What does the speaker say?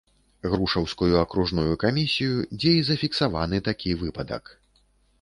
Грушаўскую акружную камісію, дзе і зафіксаваны такі выпадак.